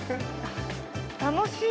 楽しい。